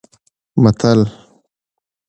متل: